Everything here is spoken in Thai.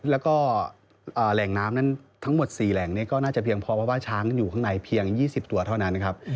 แล้วก็แหล่งน้ำนั้นทั้งหมด๔แหล่งก็น่าจะเพียงพอเพราะว่าช้างอยู่ข้างในเพียง๒๐ตัวเท่านั้นนะครับ